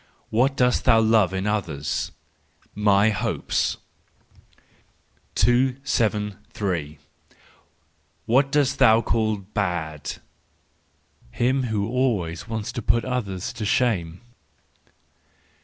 What dost thou Love in others ?—My hopes. 273 Whom dost thou call Bad? —Him who always wants to put others to shame.